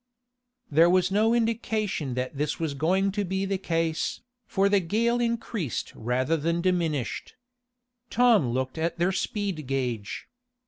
There was no indication that this was going to be the case, for the gale increased rather than diminished. Tom looked at their speed gage.